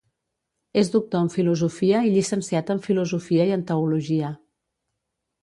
És doctor en Filosofia i llicenciat en Filosofia i en Teologia.